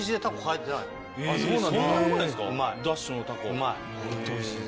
うまい。